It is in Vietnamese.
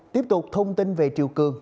tiếp tục thông tin về triều cương